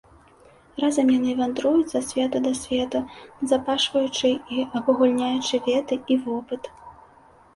Разам яны вандруюць са свету да свету, назапашваючы і абагульняючы веды і вопыт.